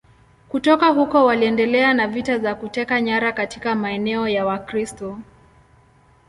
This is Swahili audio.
Kutoka huko waliendelea na vita za kuteka nyara katika maeneo ya Wakristo.